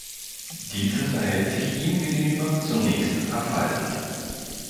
Diese verhält sich ihm gegenüber zunächst abweisend.